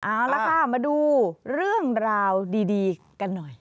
เอาละค่ะมาดูเรื่องราวดีกันหน่อย